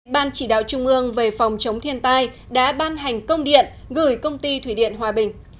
ban chỉ đạo trung ương về phòng chống thiên tai đã ban hành công điện gửi công ty thủy điện hòa bình